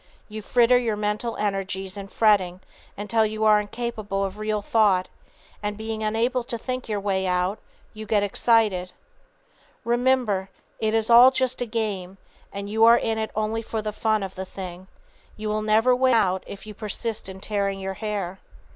You fritter your mental energies in fretting until you are incapable of real thought, and being unable to think your way out you get excited. Remember it is all just a game, and you are in it only for the fun of the thing. You will never win out if you persist in tearing your hair.